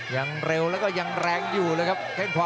ยังเร็วแล้วก็ยังแรงอยู่เลยครับ